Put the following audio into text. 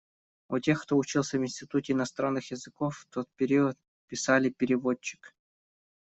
У тех, кто учился в Институте иностранных языков в тот период писали «переводчик».